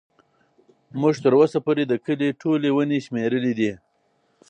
موږ تر اوسه پورې د کلي ټولې ونې شمېرلي دي.